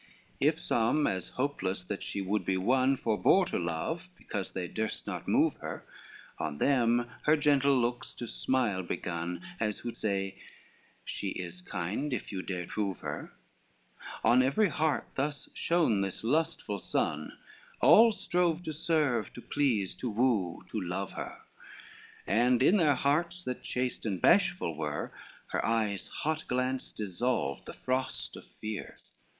LXXXVIII If some, as hopeless that she would be won, Forebore to love, because they durst not move her, On them her gentle looks to smile begun, As who say she is kind if you dare prove her On every heart thus shone this lustful sun, All strove to serve, to please, to woo, to love her, And in their hearts that chaste and bashful were, Her eye's hot glance dissolved the frost of fear.